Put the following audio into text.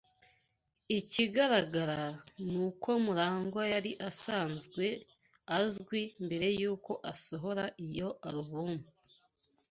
Ikigaragara ni uko MuragwA yari asanzwe azwi mbere yuko asohora iyo alubumu